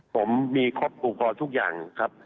ผมมีครบอุปกรณ์ทุกอย่างครับ